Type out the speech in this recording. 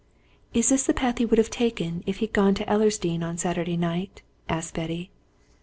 "Is this the path he would have taken if he'd gone to Ellersdeane on Saturday night?" asked Betty.